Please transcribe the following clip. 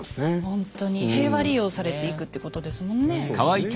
ほんとに平和利用されていくってことですもんね。